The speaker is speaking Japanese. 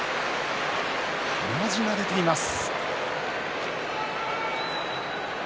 鼻血が出ています。